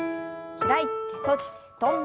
開いて閉じて跳んで。